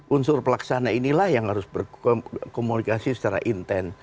unsur pelaksana inilah yang harus berkomunikasi secara intent